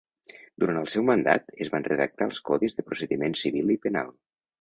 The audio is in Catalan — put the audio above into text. Durant el seu mandat es van redactar els Codis de Procediment Civil i Penal.